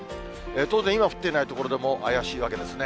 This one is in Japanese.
当然、今降っていない所でも、怪しいわけですね。